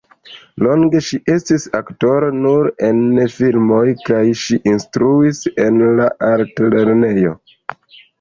Longe ŝi estis aktoro nur en filmoj kaj ŝi instruis en la altlernejo.